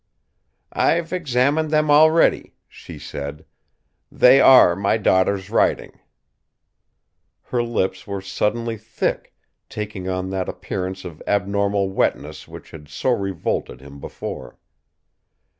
"I've examined them already," she said. "They are my daughter's writing." Her lips were suddenly thick, taking on that appearance of abnormal wetness which had so revolted him before.